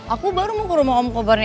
aku baru mau ke rumah om kobar nih